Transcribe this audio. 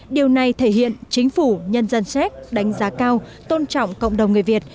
điều này thể hiện chính phủ nhân dân séc đánh giá cao tôn trọng cộng đồng người việt